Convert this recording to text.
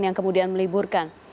yang kemudian meliburkan